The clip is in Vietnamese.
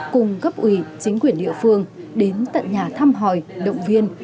cùng gấp ủy chính quyền địa phương đến tận nhà thăm hỏi động viên